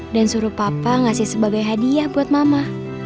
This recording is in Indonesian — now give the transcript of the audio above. dan suruh papa ngasih sebagai hadiah buat mama